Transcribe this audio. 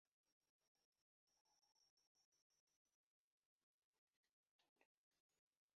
Okukola ku ttaka eritali lya Kabaka si kyangu.